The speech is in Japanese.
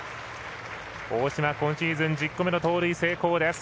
大島、今シーズン１０個目の盗塁成功です。